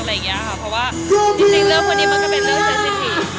เพราะว่าจริงเรื่องวันนี้มันก็เป็นเรื่องเจนสิทธิ์